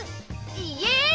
イエイ！